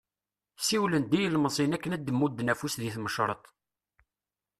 Siwlen-d i yilmeẓyen akken ad d-mudden afus di tmecreḍt.